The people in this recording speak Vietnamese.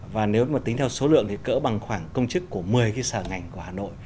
và nếu mà tính theo số lượng thì cỡ bằng khoảng công chức của một mươi cái sở ngành của hà nội